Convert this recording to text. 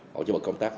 họ cho một công tắc